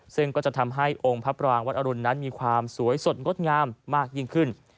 ซึ่งก็จะทำให้องค์พระปรางวัดอรุณนั้นมีความสวยสดงดงามมากยิ่งขึ้น